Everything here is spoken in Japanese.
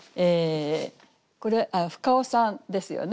これ深尾さんですよね？